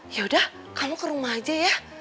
yaudah kamu ke rumah aja ya